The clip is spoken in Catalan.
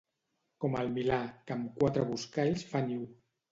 Com el milà, que amb quatre buscalls fa niu.